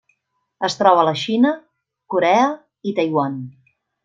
Es troba a la Xina, Corea i Taiwan.